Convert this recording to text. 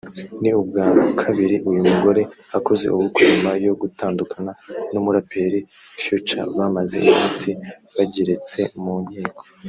ni ubwa kabiri uyu mugore akoze ubukwe nyuma yo gutandukana n’umuraperi Future bamaze iminsi bageretse mu nkiko